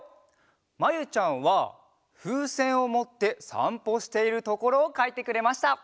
まゆちゃんはふうせんをもってさんぽしているところをかいてくれました。